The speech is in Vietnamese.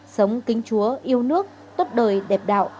sống kính chúa yêu nước tốt đời đẹp đạo